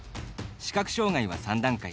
視覚障がいは３段階。